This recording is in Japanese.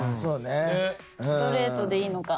ストレートでいいのか。